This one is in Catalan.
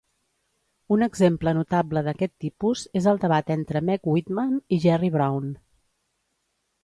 Un exemple notable d'aquest tipus és el debat entre Meg Whitman i Jerry Brown.